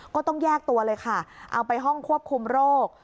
ก็ต้องแยกตัวเลยค่ะเอาไปห้องควบคุมโรค